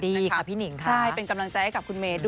ดีค่ะพี่หนิงค่ะ